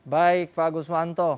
baik pak guswanto